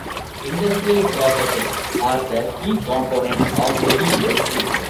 Industrial processes are the key components of heavy industry.